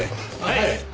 はい。